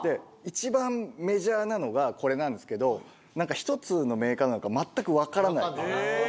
一番メジャーなのがこれなんですけどなんか１つのメーカーなのか全くわからないんですよ。